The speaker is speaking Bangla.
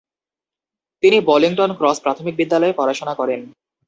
তিনি বলিংটন ক্রস প্রাথমিক বিদ্যালয়ে পড়াশোনা করেন।